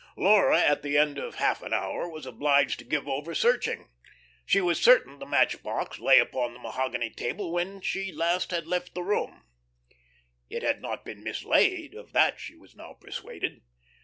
Laura, at the end of half an hour, was obliged to give over searching. She was certain the match box lay upon the mahogany table when last she left the room. It had not been mislaid; of that she was now persuaded.